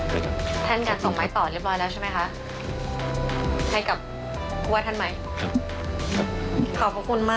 แท่นการส่งไม้ต่อเรียบร้อยแล้วใช่ไหมคะให้กับครัวท่านใหม่